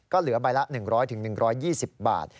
ก็เหลือใบละ๑๐๐๑๒๐บาท